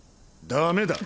ダメだ。